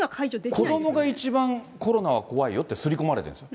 子どもが一番コロナは怖いよってすり込まれてるんですよ。